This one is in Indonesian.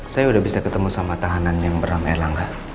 saya udah bisa ketemu sama tahanan yang beramai erlangga